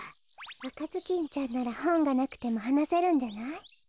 「あかずきんちゃん」ならほんがなくてもはなせるんじゃない？